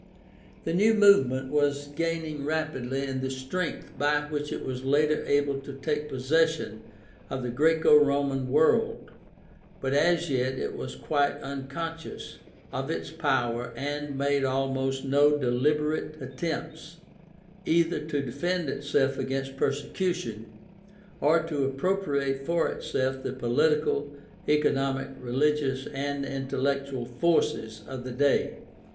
The new movement was gaining rapidly in the strength by which it was later able to take possession of the Graeco Roman world, but as yet it was quite unconscious of its power and made almost no deliberate attempts either to defend itself against persecution or to appropriate for itself the political, economic, religious, and intellectual forces of the day.